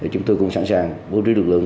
chúng tôi cũng sẵn sàng bố trí lực lượng